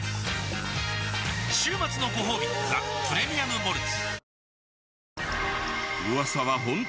週末のごほうび「ザ・プレミアム・モルツ」